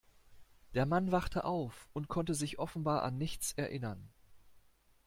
Der Mann wachte auf und konnte sich offenbar an nichts erinnern.